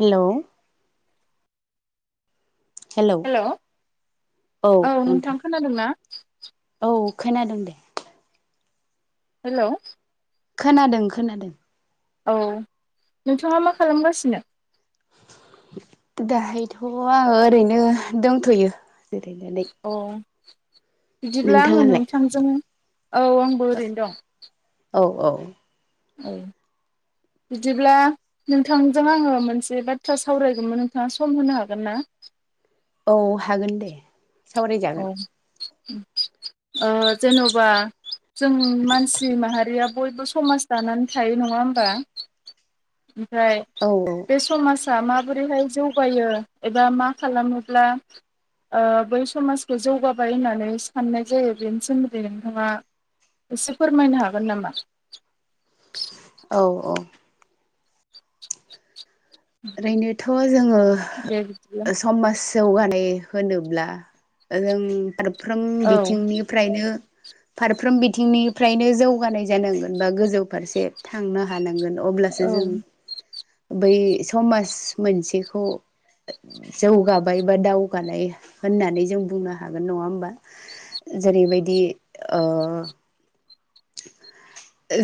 Hello. Hello औ नोंथां खोनादोंना? औ खोनादों। हेलौ। खोनादों खोनादों। औ नोंथाङा मा खालामगासिनो? दाहायथ' आङो ओरैनो दंथ'यो जिरैनानै। अ बिदिब्ला आङो नोंथांजों औ आंबो ओरैनो दं। औ औ औ बिदिब्ला नोंथांजों आङो मोनसे बाथ्रा सावरायगौमोन नोंथाङा सम होनो हागोन ना। औ हागोन दे। औ सावरायजागोन ओ जेन'बा जों मानसि माहारिया बयबो समाज दानानै थायो नङा होमबा। ओमफ्राय औ औ बे समाजा माबोरैहाय जौगायो एबा मा खालामोब्ला ओ बै समाजखौ जौगाबाय होननानै साननाय जायो बेनि सोमोन्दै नोंथाङा एसे फोरमायनो हागोन नामा? औ औ ओरैनोथ' जोङो दे बिदिब्ला समाज जौगानाय होनोब्ला जों फारफ्रोम औ बिथिंनि फ्रायनो फारफ्रोम बिथिंनिफ्रायनो जौगानाय जानांगोन बा गोजौ फारसे थांनो हानांगोन अब्लासो औ जों बै समाज मोनसेखौ जौगाबाय बा दावगानाय होननानै जों बुंनो हागोन नङा होमबा। जेरैबायदि ओ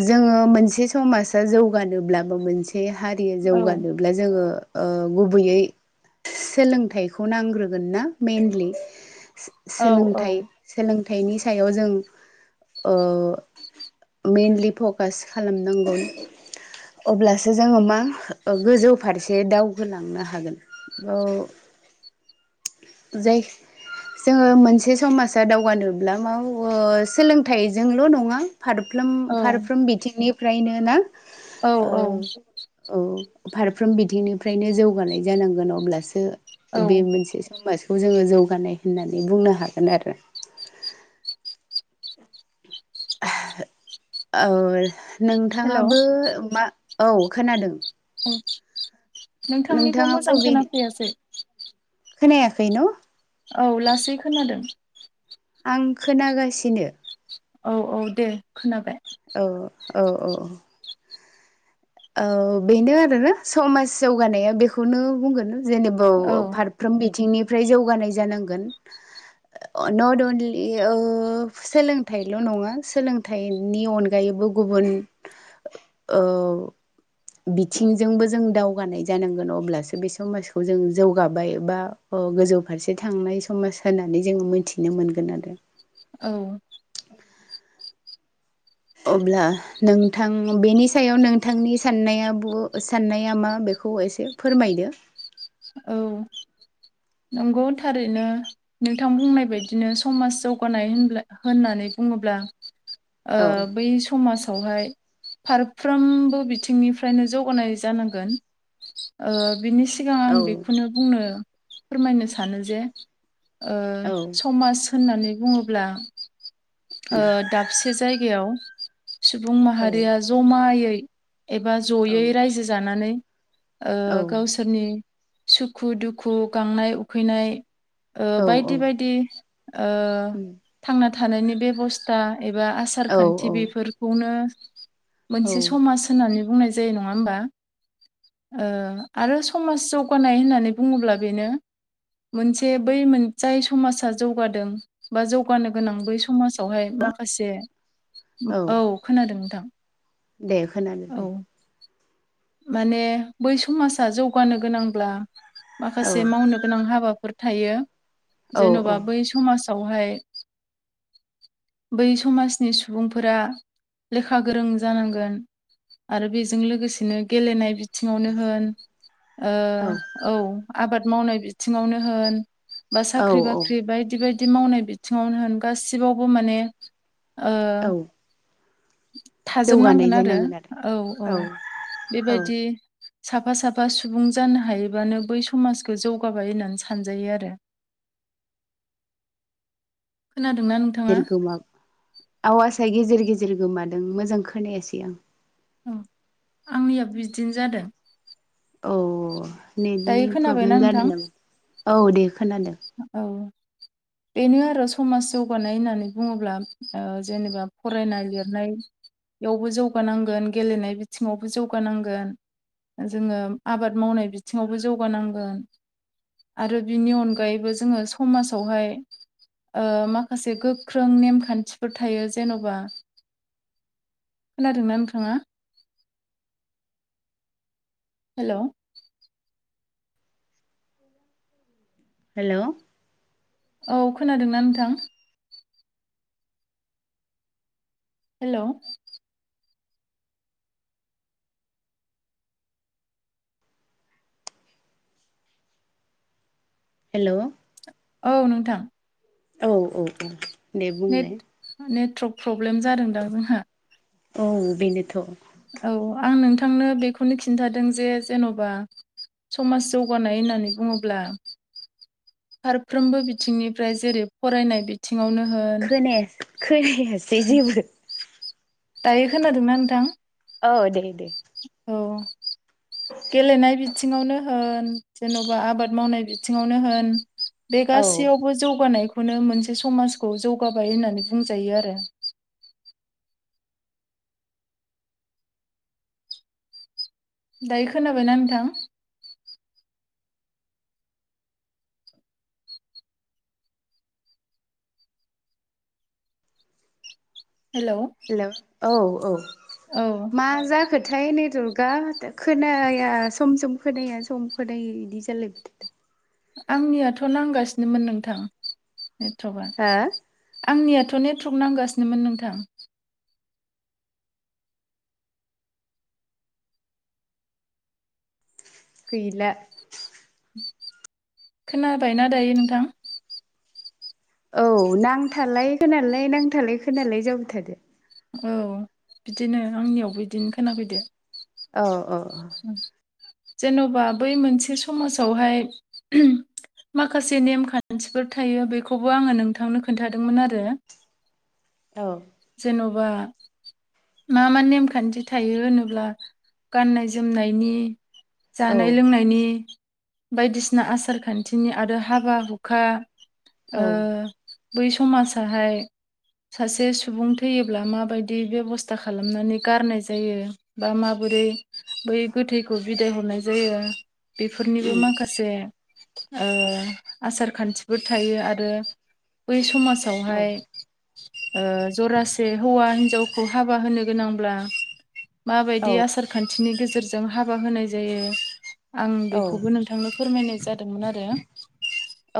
जोङो मोनसे समाजा जौगानोब्लाबो मोनसे हा रि औ जौगानोब्ला जोङो गुबैयै सोलोंथायखौ नांग्रोगोन ना मेनलि औ सोलोंथाइ सोलोंथाइनि सायाव जों ओ मेनलि फकास खालामनांगौ। अब्लासो जोङो मा ओ गोजौ फारसे दावगोलांनो हागोन। औ जाय जोङो मोनसे समाजा दावगानोब्ला मा ओ सोलोंथाइजोंल' नङा। फारफ्लोम फारफ्रोम बिथिंनिफ्रायनो ना औ ओ औ औ फारफ्रोम बिथिंनिफ्रायनो जौगानाय जानांगोन अब्लासो औ बे मोनसे समाजखौ जोङो जौगानाय होननानै बुंनो हागोन आरो। औ हेल' औ नोंथाङाबो मा औ खोनादों। औ नोंथांनिखौ नोंथाङाबो मोजां बे खोनाफैयासै। खोनायाखै न? औ लासै खोनादों आं खोनागासिनो औ औ दे खोनाबाय औ औ औ औ बेनो आरोना समास जौगानाया बेखौनो बुंगोन जेनब औ फार फ्रोम बिथिंनिफ्राय जौगानाय जानांगोन [inaudible] नट अनलि ओ सोलोंथाइल' नङा सोलोंथाइनि अनगायैबो गुबुन औ [inaudible] बिथिंजोंबो जों दावगानाय जानांगोन अब्लासो बे समाजखौ जों जौगाबाय बा अ गोजौ फारसे थांनाय समाज होननानै जोंङो मिथिनो मोनगोन आरो औ अब्ला नोंथां बेनि सायाव नोंथांनि साननाया बु साननाया मा बेखौ एसे फोरमायदो। औ। नंगौ थारैनो। नोंथां बुंनाय बायदिनो समाज जौगानाय होन होननानै बुङोब्ला ओ औ बै समाजावहाय फारफ्रोमबो बिथिंनिफ्रायनो जौगानाय जानांगोन ओ बिनि सिगां आं औ बेखौनो बुंनो फोरमायनो सानो जे ओ औ समाज होननानै बुङोब्ला ओ दाबसे जायगायाव सुबुं औ माहारिया जमायै एबा जयै रायजो जानानै ओ औ गावसोर सोरनि सुखु दुखु गांनाय उखैनाय ओ औ बायदि बायदि ओ थांना थानायनि बेबस्था एबा आसार औ खान्थि बेफोर बेखौनो औ मोनसे समाज होननानै बुंनाय जायो नङा होमबा? ओ आरो समाज जौगानाय होननानै बुङोब्ला बेनो मोनसे बै मोन जाय समाजा जौगादों बा जौगानो गोनां बै समाज आवहाय माखासे औ खोनादों नोंथां। दे खोनादो औ दे माने बै समाजा जौगानो गोनांब्ला औ माखासे मावनो गोनां हाबाफोर थायो औ जेनबा बै समाजावहाय बै समाजनि सुबुंफोरा लेखा गोरों जानांगोन आरो बेजों लोगोसेनो गेलेनाय बिथिङावनो होन ओ औ आबाद मावनाय बिथिङावनोहोन बा औ साख्रि बाख्रि बायदि बायदि मावनाय बिथिंङावनो होन गासिबावबो माने ओ औ जौगानाय थाजोबनांगोन आरो जानांगोन औ औ औ बेबायदि साफा साफा सुबुं जानो हायोबानो बै समाजखौ जौगाबाय होननानै सानजायो आरो। खोनादोंना नोंथां? गेजेर गोमा आवासआ गेजेर गेजेर गोमादों मोजां खोनायासै आं। उम आंनियाबो बिदिनो जादों औ दायो नेटनि प्रब्लेम खोनाबायना नोंथां जादों नामा औ दे खोनादों। औ बेनो आरो समाज जौगानाय होननानै बुङोब्ला ओ जेनेबा फरायनाय लिरनाय बेयावबो जौगानांगोन गेलेनाय बिथिंङावबो जौगानांगोन जोंङो आबाद मावनाय बिथिंआवबो जौगानांगोन आरो बिनि अनगा गायैबो जोंङो समाजावहाय ओ माखासे गोख्रों नेमखान्थिफोर थायो जेन'बा खोनादों ना नोंथांङा? हेल' हेल' औ खोनादों ना नोंथां हेलौ हेलौ औ नोंथां औ औ औ नेट नेटवर्क प्रब्लेम जादोंदां जोंहा औ बेनोथ औ आं नोंथांनो बेखौनो खिन्थादों जे जेन'बा समाज जौगानाय होननानै बुंङोब्ला फारफ्रोमबो बिथिंनिफ्राय जेरै फरायनाय बि थिंङावनो हो खोनाया खोनायासै जेबो दायो खोनादों ना नोंथां? औ दे दे औ गेलेनाय बिथिङावनो होन जेनबा आबाद मावनाय बिथिंआवनो होन बे औ गासैयावबो जौगानायखौनो मोनसे समाजखौ जौगाबाय होननानै बुंजायो आरो दायो खोनाबायना नोंथां हेलौ हेलौ औ औ औ मा जाखो थो थाय नेटवर्कआ खोनाया सम सम खोनाया सम खोनायो इदि जालायबाय आंनियाथ' नांगासिनोमोन नोंथां नेटवर्कआ हो आंनि आथ नेटवर्क नांगासिनोमोन नोंथां गैला खोनाबायना दायो नोंथां औ नांथालाय खोनालाय नांथालाय खोनालाय जाबाय थादो औ बिदिनो आंनियावबो इदिनो खोनाफैदो औ अ जेन'बा बै मोनसे समाजावहाय माखासे नेमखान्थिफोर थायो बेखौबो आंङो नोंथांनो खोन्थादोंमोन आरो औ जेनबा मा मा नेमखान्थि थायो होनोब्ला गाननाय जोमनायनि औ जानाय लोंनायनि बायदिसिना आसार खान्थिनि आरो हाबा हुखा औ ओ बै समाजाहाय सासे सुबुं थैयो ब्ला माबायदि बेब'स्था खालामनानै गारनाय जायो बा माबोरै बै गोथैखौ बिदाय हरनाय जायो बेफोरनिबो उम माखासे ओ आसार खान्थिफोर थायो आरो बै औ समाजावहाय ओ जरास हौवा हिनजावखौ हाबा होनो गोनांब्ला मा औ बायदि आसारखान थिनि गेजेरजों हाबा होनाय जायो। आं औ बेखौबो नोंथांनो फोरमायनाय जादोंमोन आरो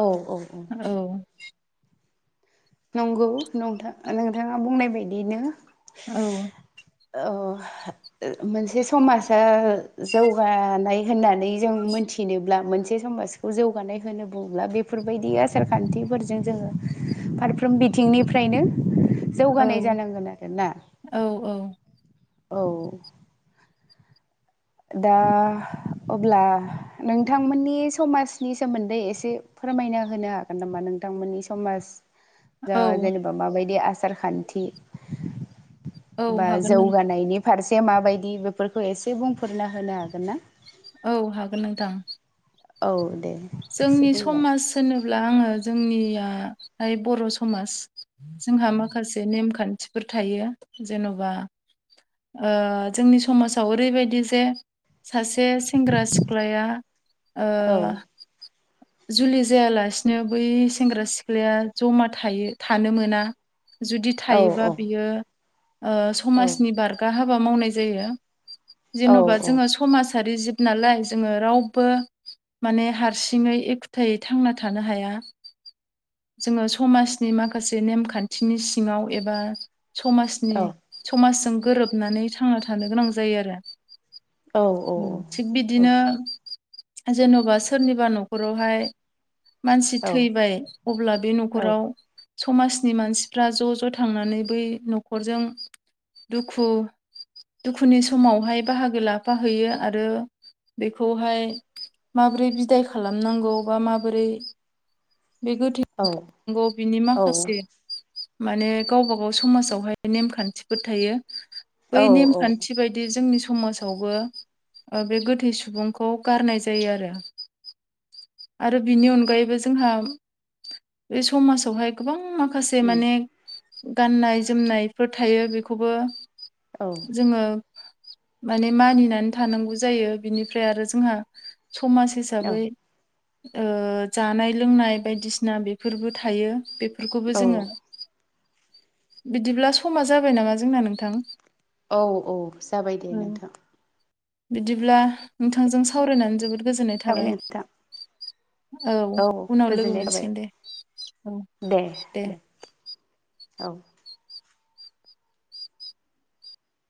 औ औ औ। औ। नंगौ नथ नोंथाङा बुंनाय बायदियैनो। औ। औ। मोनसे समाजा जौगानाय होननानै जों मोनथिनोब्ला मोनसे समाजखौ जौगानाय होनो बुंब्ला बेफोरबायदि आसार खान्थिफोरजों जोङो मोनफ्रोम बिथिंनिफ्रायनो औ जौगानाय जानांगोन आरो ना। औ औ। औ। दा अब्ला नोंथांमोननि समाजनि सोमोन्दै एसे फोरमायना होनो हागोन नामा नोंथांमोननि समाज [inaudible] जेनेबा माबायदि आसार खान्थि? औ बा हागोन नों जौगानायनि फारसे माबायदि बेफोरखौ एसे बुंफोरना होनो हागोन ना? औ हागोन नोंथां। औ दे। एसे जोंनि बुंलाय समाज होनोब्ला आङो जोंनियाहाय ब'र समाज जोंहा माखासे नेमखान्थिफोर थायो जेनबा ओ जोंनि समाजाव ओरैबायदि जे सासे सेंग्रा सिख्लाया ओ औ जुलि जायालासिनो बै सेंग्रा सिख्लाया जमा थायो थानो मोना। जुदि औ थायोबा औ बियो ओ औ समाजनि बार गा हाबा मावनाय जायो औ जेनबा जोङो समाजारि जिब नालाय जोङो रावबो माने हारसिङै एखुथायै थांना थानो हाया। जोङो समाजनि माखासे नेमखान्थिनि सिङाव एबा समाज नि औ समाजजों गोरोबनानै थांना थानो गोनां जायो आरो। औ थिग बिदिनो जेनबा सोरनिबा नखरावहाय मानसि औ थैबाय अब्ला बे नखराव समाजनि मानसिफ्रा ज ज थांनानै बै नखरजों दुखु दुखुनि समावहाय बाहागो लाफाहैयो आरो बेखौहाय माबोरै बिदाय खालामनांगौ बा माबोरै बे गोथै औ सावनांगौ बिनि औ माखासे माने गावबा गाव समाजावहाय नेमखान्थिफोर थायो। बै औ नेमखान्थि बायदि जोंनि समाज आवबो बे गोथै सुबुंखौ गारनाय जायो आरो। आरो बिनि अनगायैबो जोंहा बे समाजावहाय गोबां माखा से उम माने गाननाय जोमनायफोर थायो बेखौबो औ जोङो माने मानिनानै थानांगौ जायो बिनिफ्राय आरो जोंहा समाज हिसाबै ओ जानाय लोंनाय बायदिसिना बेफोरबो थायो बे फोरखौबो औ जोङो बिदिब्ला समा जाबाय नामा जोंना नोंथां। औ औ जाबाय दे औ नोंथां। बिदिब्ला नोंथांजों सावरायनानै जोबोद गोजोननाय जाबाय थाबाय नोंथां औ उनाव लोगो गोजोननाय थाबाय मोनसिगोन दे औ दे औ